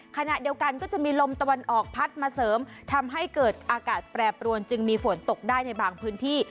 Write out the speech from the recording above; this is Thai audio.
ขณะเดียวกันก็จะมีลมตะวันออกพัดมาเสริมทำให้เกิดอากาศแปรปรวนจึงมีฝนตกได้ในบางพื้นที่